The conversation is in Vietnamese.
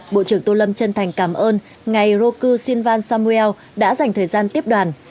bộ trưởng tô lâm chân thành cảm ơn ngày roscu siva samuel đã dành thời gian tiếp đoàn